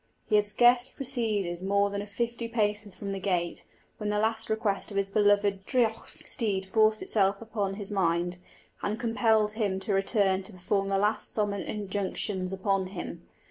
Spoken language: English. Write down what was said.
He had scarcely proceeded more than fifty paces from the gate, when the last request of his beloved draoidheacht steed forced itself upon his mind, and compelled him to return to perform the last solemn injunctions upon him.